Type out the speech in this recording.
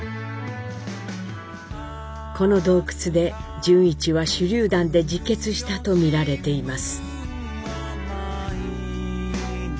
この洞窟で潤一は手りゅう弾で自決したと見られています。